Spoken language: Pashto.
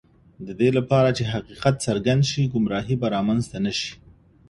د دې لپاره چې حقیقت څرګند شي، ګمراهی به رامنځته نه شي.